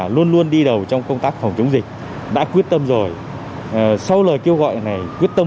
luôn luôn đi đầu trong công tác phòng chống dịch đã quyết tâm rồi sau lời kêu gọi này quyết tâm